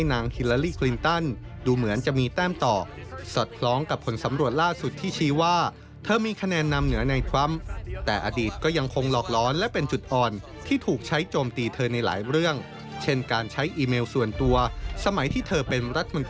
นั่นไม่เห็นเหตุผลของฉัน